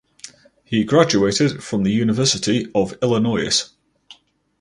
He graduated from the University of Illinois.